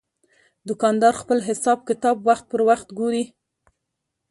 دوکاندار خپل حساب کتاب وخت پر وخت ګوري.